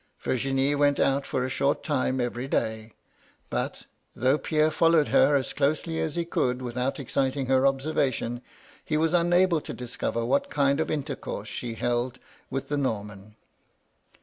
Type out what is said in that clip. Virginie went out for a short time every day ; but, though Pierre followed her as closely as he could without exciting her observation, he was unable to discover what kind of intercourse she held with the Norman.